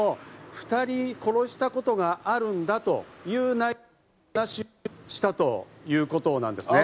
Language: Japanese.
２人殺したことがあるんだという、話をしたということなんですね。